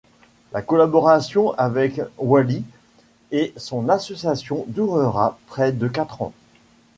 La collaboration avec Ouali et son association durera près de quatre ans.